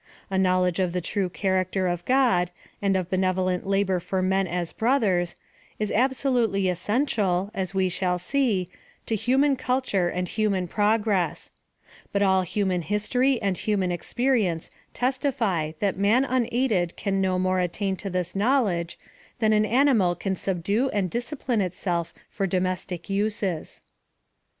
A knowledge of the true character of God, and of benevolent labor for men as brothers, is absolutely essential, as we shall see, to human culture and human progress; but all human history and human experience testify that man unaided can no more attain to this knowledge than an ani mal can subdue and discipline itself for domestic uses.